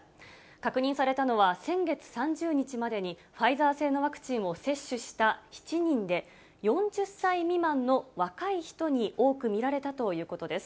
確認されたのは、先月３０日までにファイザー製のワクチンを接種した７人で、４０歳未満の若い人に多く見られたということです。